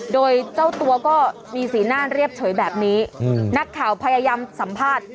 โดยเจ้าตัวก็มีสีหน้าเรียบเฉยแบบนี้นักข่าวพยายามสัมภาษณ์